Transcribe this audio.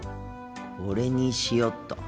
これにしよっと。